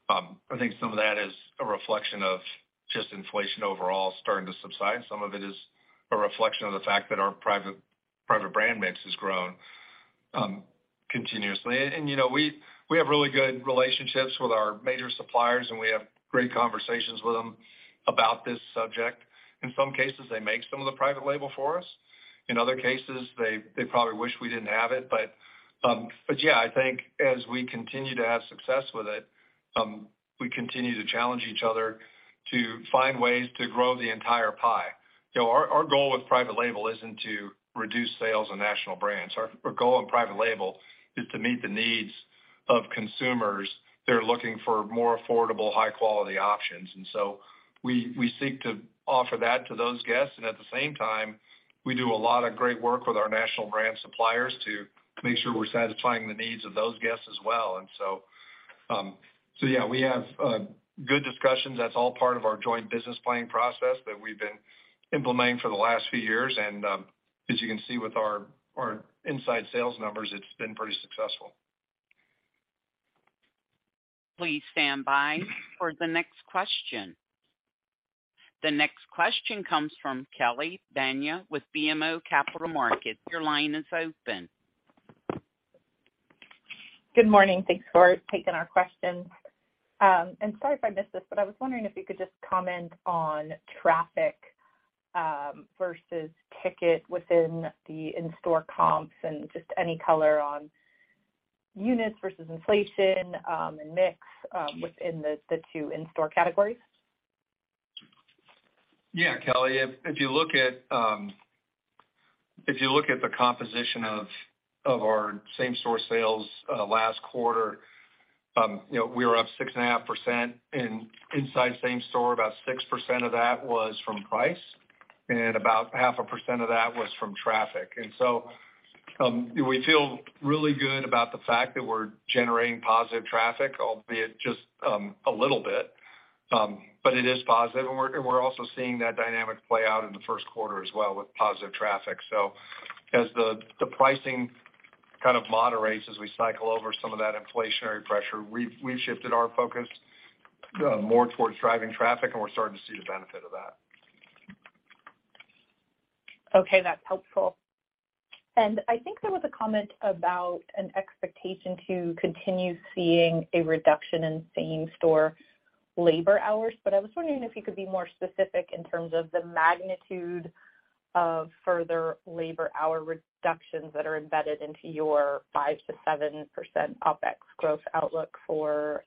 I think some of that is a reflection of just inflation overall starting to subside. Some of it is a reflection of the fact that our private brand mix has grown continuously. You know, we have really good relationships with our major suppliers, and we have great conversations with them about this subject. In some cases, they make some of the private label for us. In other cases, they probably wish we didn't have it. Yeah, I think as we continue to have success with it, we continue to challenge each other to find ways to grow the entire pie. You know, our goal with private label isn't to reduce sales on national brands. Our goal on private label is to meet the needs of consumers that are looking for more affordable, high-quality options. We seek to offer that to those guests, and at the same time, we do a lot of great work with our national brand suppliers to make sure we're satisfying the needs of those guests as well. Yeah, we have good discussions. That's all part of our joint business planning process that we've been implementing for the last few years. As you can see with our inside sales numbers, it's been pretty successful. Please stand by for the next question. The next question comes from Kelly Bania with BMO Capital Markets. Your line is open. Good morning. Thanks for taking our questions. Sorry if I missed this, but I was wondering if you could just comment on traffic versus ticket within the in-store comps and just any colour, on units versus inflation, and mix, within the two in-store categories. Yeah, Kelly, if you look at, if you look at the composition of our same store sales, last quarter, you know, we were up 6.5% in inside same store. About 6% of that was from price, and about 0.5% of that was from traffic. We feel really good about the fact that we're generating positive traffic, albeit just a little bit, but it is positive. We're also seeing that dynamic play out in the first quarter as well with positive traffic. As the pricing kind of moderates, as we cycle over some of that inflationary pressure, we've shifted our focus more towards driving traffic, and we're starting to see the benefit of that. Okay, that's helpful. I think there was a comment about an expectation to continue seeing a reduction in same-store labour hours, but I was wondering if you could be more specific in terms of the magnitude of further labour hour reductions that are embedded into your 5%-7% OpEx growth outlook for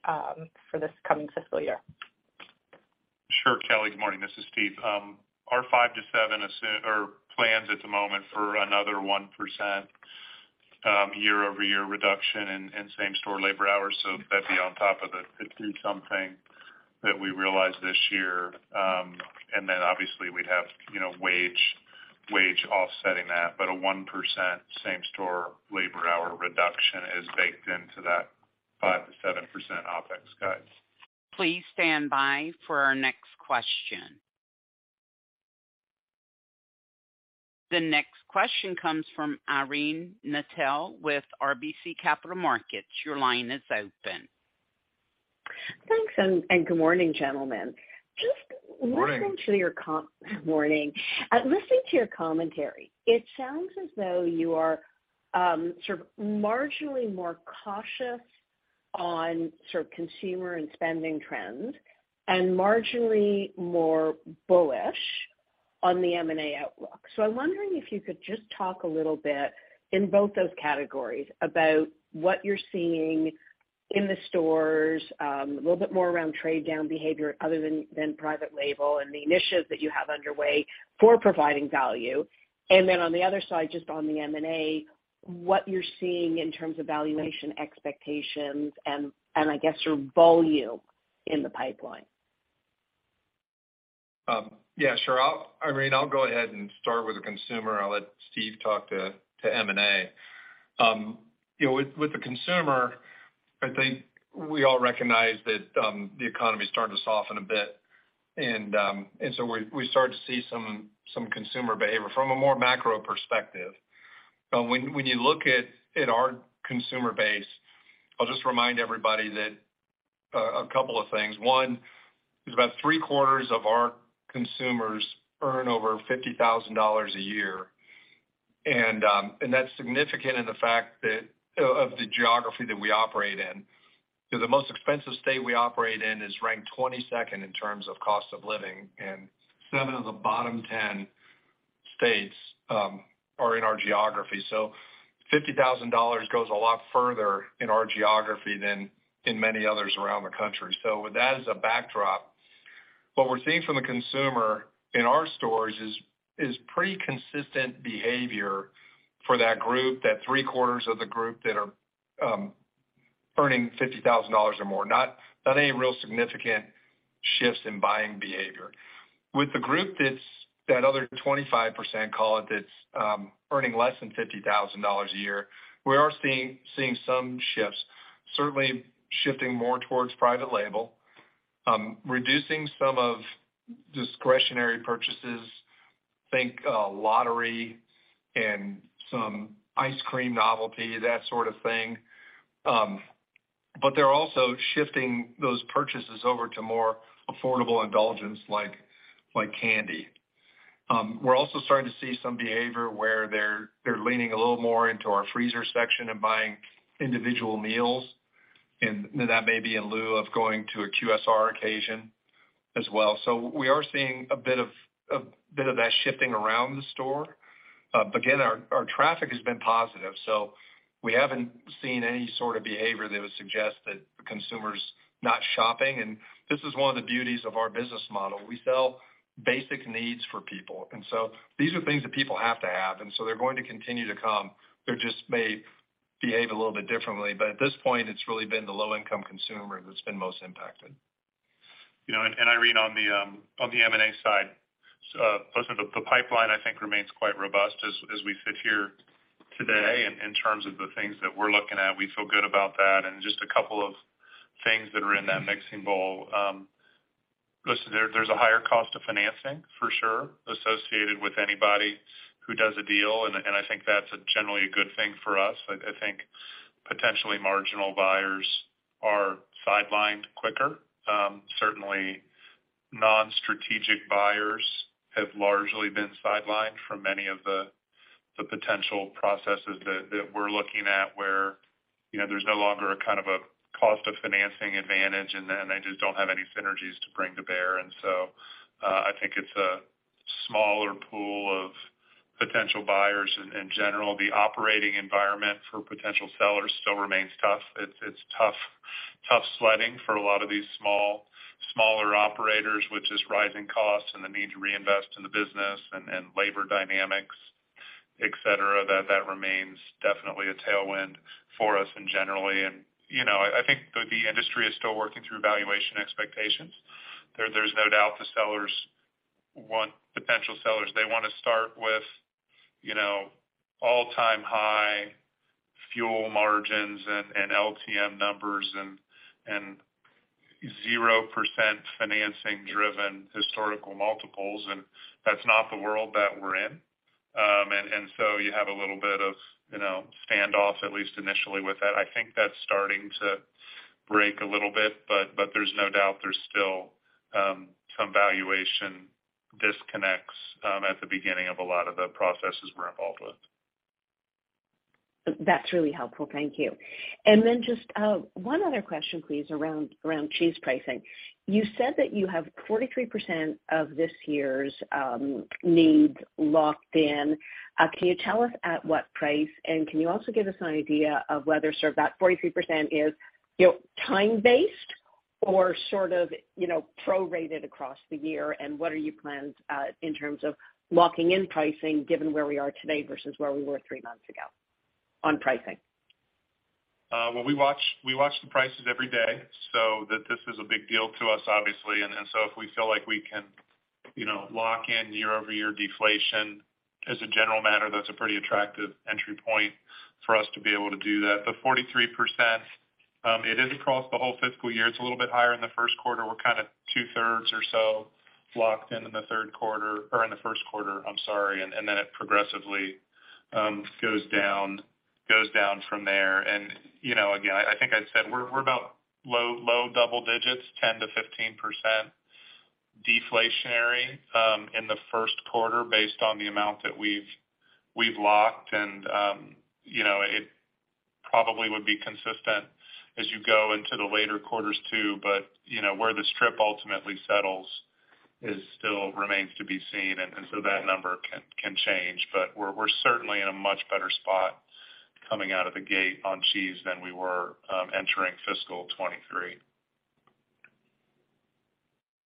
this coming fiscal year. Sure, Kelly. Good morning, this is Steve. Our 5-7 are plans at the moment for another 1% year-over-year reduction in same-store labour hours, so that'd be on top of the 50-something that we realised this year. Then obviously, we'd have, you know, wage offsetting that, but a 1% same-store labour hour reduction is baked into that 5%-7% OpEx cuts. Please stand by for our next question. The next question comes from Irene Nattel with RBC Capital Markets. Your line is open. Thanks, and good morning, gentlemen. Good morning. Morning. Listening to your commentary, it sounds as though you are sort of marginally more cautious on sort of consumer and spending trends and marginally more bullish on the M&A outlook. I'm wondering if you could just talk a little bit in both those categories about what you're seeing in the stores, a little bit more around trade-down behaviour, other than private label and the initiatives that you have underway for providing value. Then on the other side, just on the M&A, what you're seeing in terms of valuation expectations and I guess your volume in the pipeline? Yeah, sure. I mean, I'll go ahead and start with the consumer. I'll let Steve talk to M&A. You know, with the consumer, I think we all recognise that the economy started to soften a bit, we start to see some consumer behaviour from a more macro perspective. When you look at our consumer base, I'll just remind everybody that a couple of things. One, is about three-quarters of our consumers earn over $50,000 a year. That's significant in the fact that, of the geography that we operate in, 'cause the most expensive state we operate in is ranked 22nd in terms of cost of living, and 7 of the bottom 10 states are in our geography. Fifty thousand dollars goes a lot further in our geography than in many others around the country. With that as a backdrop, what we're seeing from the consumer in our stores is pretty consistent behaviour for that group, that three-quarters of the group that are earning $50,000 or more, not any real significant shifts in buying behaviour. With the group that's, that other 25%, call it, that's earning less than $50,000 a year, we are seeing some shifts, certainly shifting more towards private label, reducing some of discretionary purchases, think, lottery and some ice cream novelty, that sort of thing. They're also shifting those purchases over to more affordable indulgence like candy. We're also starting to see some behaviour where they're leaning a little more into our freezer section and buying individual meals, and that may be in lieu of going to a QSR occasion as well. We are seeing a bit of that shifting around the store. Again, our traffic has been positive, so we haven't seen any sort of behaviour that would suggest that the consumer's not shopping. This is one of the beauties of our business model. We sell basic needs for people, and so these are things that people have to have, and so they're going to continue to come. They just may behave a little bit differently. At this point, it's really been the low-income consumer that's been most impacted. You know, Irene, on the M&A side, listen, the pipeline, I think, remains quite robust as we sit here today. In terms of the things that we're looking at, we feel good about that, and just a couple of things that are in that mixing bowl. Listen, there's a higher cost to financing, for sure, associated with anybody who does a deal, and I think that's generally a good thing for us. I think potentially marginal buyers are sidelined quicker. Certainly, non-strategic buyers have largely been sidelined from many of the potential processes that we're looking at, where, you know, there's no longer a kind of a cost of financing advantage, and then they just don't have any synergies to bring to bear. I think it's a smaller pool of potential buyers in general. The operating environment for potential sellers still remains tough. It's tough sledging for a lot of these smaller operators, with just rising costs and the need to reinvest in the business and labour, dynamics, et cetera. That remains definitely a tailwind for us in generally. You know, I think the industry is still working through valuation expectations. There's no doubt the sellers want. Potential sellers, they wanna start with, you know, all-time high fuel margins and LTM numbers and 0% financing-driven historical multiples, and that's not the world that we're in. You have a little bit of, you know, standoff, at least initially with that. I think that's starting to break a little bit, but there's no doubt there's still some valuation disconnects at the beginning of a lot of the processes we're involved with. That's really helpful. Thank you. Just one other question, please, around cheese pricing. You said that you have 43% of this year's needs locked in. Can you tell us at what price? Can you also give us an idea of whether, sort of, that 43% is, you know, time-based or sort of, you know, prorated across the year, and what are your plans in terms of locking in pricing, given where we are today versus where we were three months ago on pricing? Well, we watch the prices every day, so that this is a big deal to us, obviously. If we feel like we can, you know, lock in year-over-year deflation, as a general matter, that's a pretty attractive entry point for us to be able to do that. The 43%, it is across the whole fiscal year. It's a little bit higher in the first quarter. We're kind of two-thirds or so locked in the third quarter, or in the first quarter, I'm sorry, and then it progressively goes down from there. You know, again, I think I said we're about low double digits, 10%-15% deflationary in the first quarter, based on the amount that we've locked. You know, it probably would be consistent as you go into the later quarters, too. You know, where the strip ultimately settles is still remains to be seen, and so that number can change. We're certainly in a much better spot coming out of the gate on cheese than we were entering fiscal 23.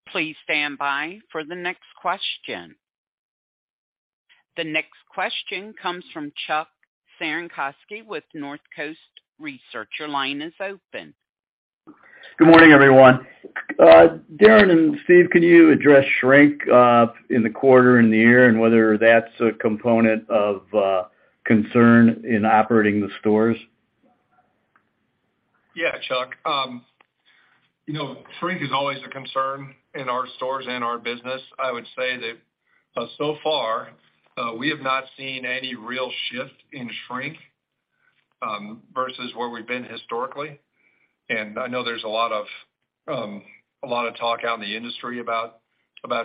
Please stand by for the next question. The next question comes from Chuck Cerankosky with Northcoast Research. Your line is open. Good morning, everyone. Darren and Steve, can you address shrink in the quarter and the year, and whether that's a component of concern in operating the stores? Yeah, Chuck. You know, shrink is always a concern in our stores and our business. I would say that, so far, we have not seen any real shift in shrink versus where we've been historically. I know there's a lot of, a lot of talk out in the industry about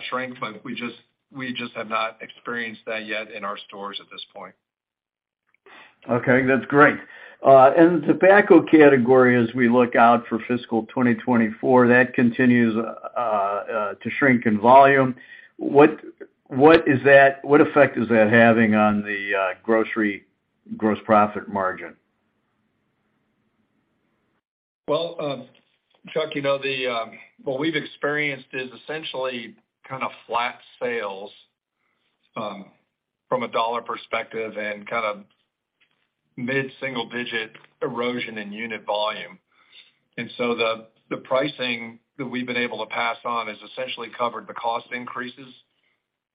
shrink, but we just have not experienced that yet in our stores at this point. Okay, that's great. In the tobacco category, as we look out for fiscal 2024, that continues to shrink in volume. What effect is that having on the grocery gross profit margin? Well, Chuck, you know, the what we've experienced is essentially kind of flat sales from a dollar perspective and kind of mid-single digit erosion in unit volume. The pricing that we've been able to pass on has essentially covered the cost increases,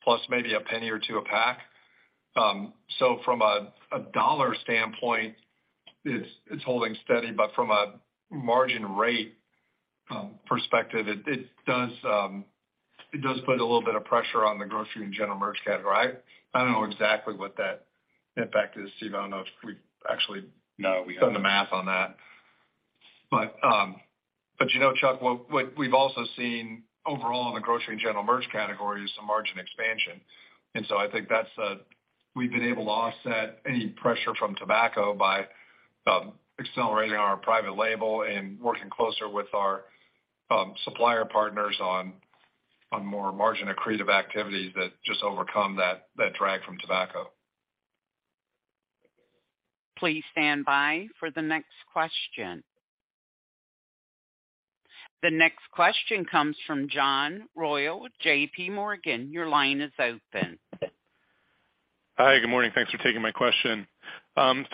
plus maybe a penny or two a pack. From a dollar standpoint, it's holding steady, but from a margin rate perspective, it does put a little bit of pressure on the grocery and general merch category. I don't know exactly what that impact is, Steve. I don't know if we've actually-. No, we haven't. Done the math on that. You know, Chuck, what we've also seen overall in the grocery and general merch category is some margin expansion. I think that's a... We've been able to offset any pressure from tobacco by accelerating our private label and working closer with our supplier partners on more margin accretive activities that just overcome that drag from tobacco. Please stand by for the next question. The next question comes from John Royall with JPMorgan. Your line is open. Hi, good morning. Thanks for taking my question. Can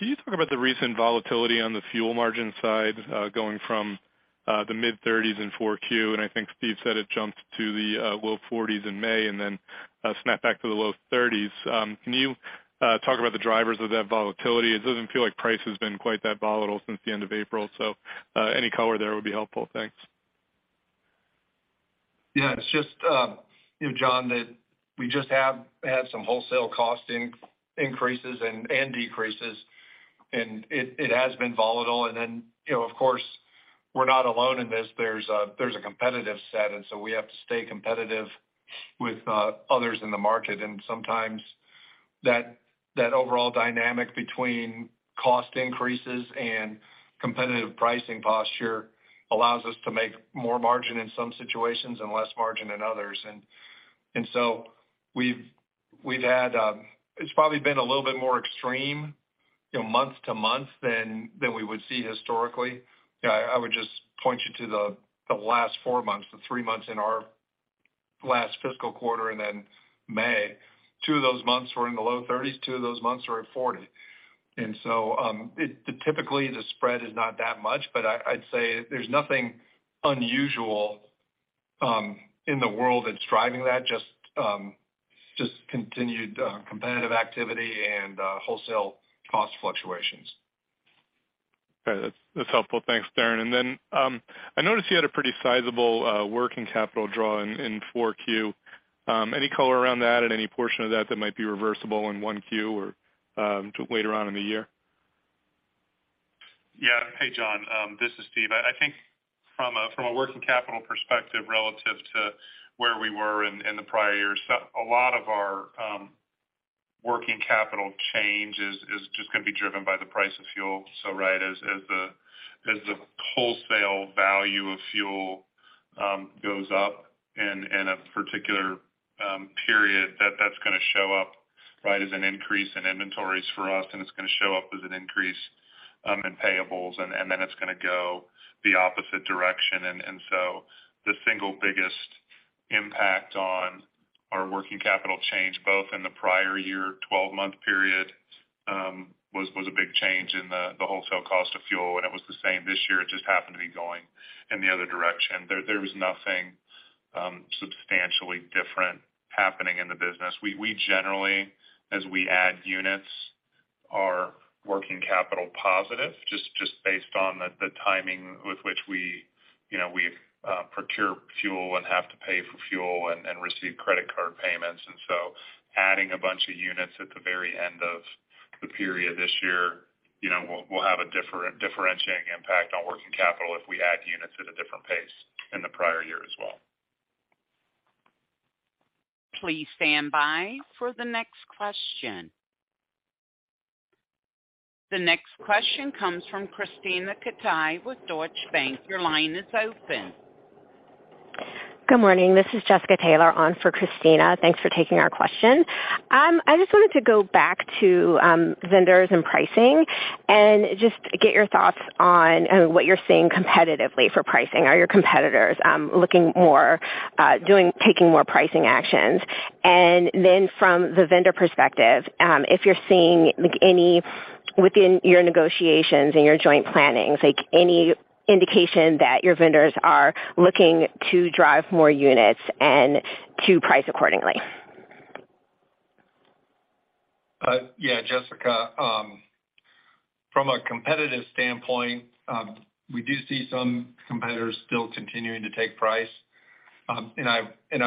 you talk about the recent volatility on the fuel margin side, going from the mid-30s in 4Q? I think Steve said it jumped to the low 40s in May and then snapped back to the low 30s. Can you talk about the drivers of that volatility? It doesn't feel like price has been quite that volatile since the end of April, so any colour there would be helpful. Thanks. Yeah, it's just, you know, John, that we just have had some wholesale cost increases and decreases, and it has been volatile. Of course, we're not alone in this. There's a competitive set, and so we have to stay competitive with others in the market. Sometimes that overall dynamic between cost increases and competitive pricing posture allows us to make more margin in some situations and less margin in others. So we've had, it's probably been a little bit more extreme, you know, month to month, than we would see historically. You know, I would just point you to the last four months, the three months in our last fiscal quarter, and then May. Two of those months were in the low 30s%, two of those months were in 40%. Typically, the spread is not that much, but I'd say there's nothing unusual in the world that's driving that, just continued competitive activity and wholesale cost fluctuations. Okay, that's helpful. Thanks, Darren. Then, I noticed you had a pretty sizable working capital draw in 4 Q. Any colour around that and any portion of that that might be reversible in 1 Q or later on in the year? Yeah. Hey, John, this is Steve. I think from a working capital perspective, relative to where we were in the prior years, a lot of our working capital change is just gonna be driven by the price of fuel. Right, as the wholesale value of fuel goes up in a particular period, that's gonna show up, right, as an increase in inventories for us, and it's gonna show up as an increase in payables, and then it's gonna go the opposite direction. The single biggest impact on our working capital change, both in the prior year, 12-month period, was a big change in the wholesale cost of fuel, and it was the same this year. It just happened to be going in the other direction.d There was nothing substantially different happening in the business. We generally, as we add units, are working capital positive, just based on the timing with which we, you know, we procure fuel and have to pay for fuel and receive credit card payments. Adding a bunch of units at the dvery end of the period this year, you know, will have a differentiating impact on working capital if we add units at a different pace in the prior year as well. Please stand by for the next question. The next question comes from Krisztina Katai with Deutsche Bank. Your line is open. Good morning. This is Jessica Taylor on for Krisztina. Thanks for taking our question. I just wanted to go back to vendors and pricing and just get your thoughts on what you're seeing competitively for pricing. Are your competitors looking more-... doing, taking more pricing actions. From the vendor perspective, if you're seeing, like, any within your negotiations and your joint plannings, like, any indication that your vendors are looking to drive more units and to price accordingly? Yeah, Jessica, from a competitive standpoint, we do see some competitors still continuing to take price. I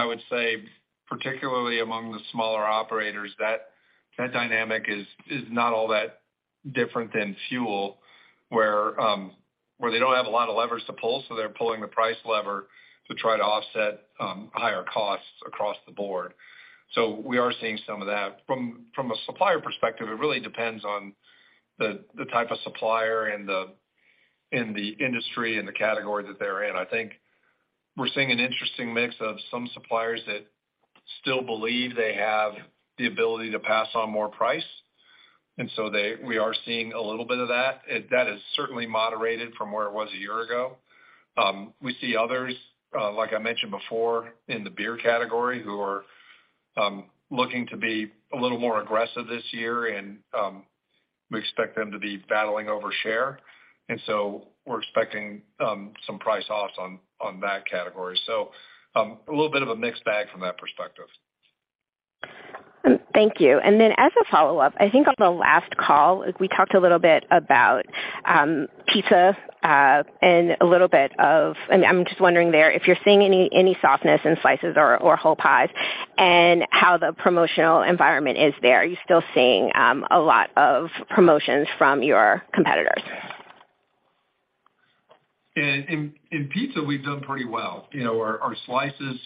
would say, particularly among the smaller operators, that dynamic is not all that different than fuel, where they don't have a lot of levers to pull, so they're pulling the price lever to try to offset higher costs across the board. We are seeing some of that. From a supplier perspective, it really depends on the type of supplier and the industry and the category that they're in. I think we're seeing an interesting mix of some suppliers that still believe they have the ability to pass on more price, we are seeing a little bit of that. That is certainly moderated from where it was a year ago. We see others, like I mentioned before, in the beer category, who are looking to be a little more aggressive this year. We expect them to be battling over share. We're expecting some price-offs on that category. A little bit of a mixed bag from that perspective. Thank you. As a follow-up, I think on the last call, we talked a little bit about pizza, I mean, I'm just wondering there, if you're seeing any softness in slices or whole pies, and how the promotional environment is there. Are you still seeing a lot of promotions from your competitors? In pizza, we've done pretty well. You know, our slices,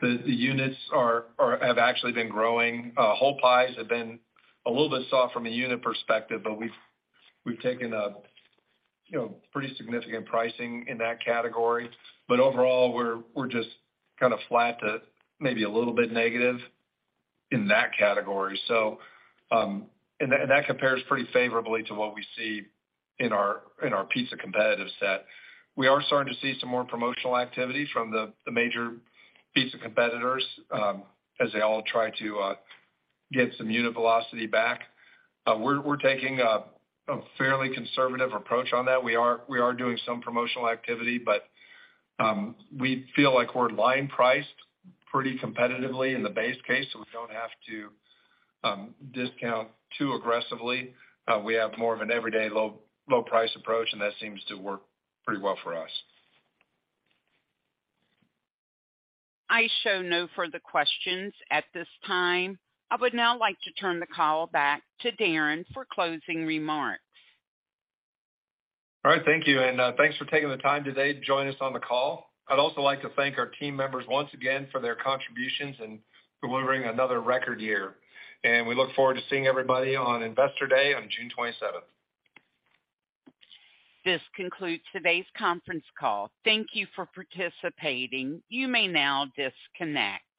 the units have actually been growing. Whole pies have been a little bit soft from a unit perspective, but we've taken a, you know, pretty significant pricing in that category. Overall, we're just kind of flat to maybe a little bit negative in that category. And that compares pretty favourably to what we see in our pizza competitive set. We are starting to see some more promotional activity from the major pizza competitors, as they all try to get some unit velocity back. We're taking a fairly conservative approach on that. We are doing some promotional activity, but we feel like we're line-priced pretty competitively in the base case, so we don't have to discount too aggressively. We have more of an everyday low, low price approach, and that seems to work pretty well for us. I show no further questions at this time. I would now like to turn the call back to Darren for closing remarks. All right, thank you, and thanks for taking the time today to join us on the call. I'd also like to thank our team members once again for their contributions in delivering another record year. We look forward to seeing everybody on Investor Day on June 27th. This concludes today's conference call. Thank you for participating. You may now disconnect.